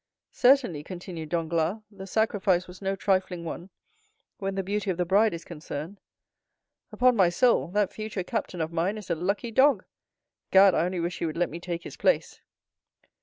"Certainly," continued Danglars, "the sacrifice was no trifling one, when the beauty of the bride is concerned. Upon my soul, that future captain of mine is a lucky dog! Gad! I only wish he would let me take his place."